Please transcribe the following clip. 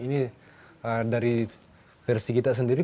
ini dari versi kita sendiri